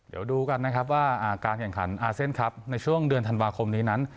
เดี๋ยวดูกันนะครับว่าการแข่งขันอาเซียนครับในช่วงเดือนธันวาคมนี้นั้น